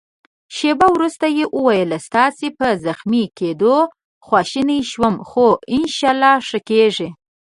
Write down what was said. شېبه وروسته يې وویل: ستاسي په زخمي کېدو خواشینی شوم، خو انشاالله ښه کېږې.